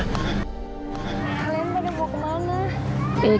kalian pada mau kemana